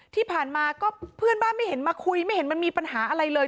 ที่ผ่านมาก็เพื่อนบ้านไม่เห็นมาคุยไม่เห็นมันมีปัญหาอะไรเลย